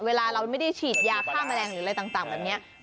เวลาเราไม่ได้ฉีดยาฆ่าแมลงหรืออะไรต่างแบบนี้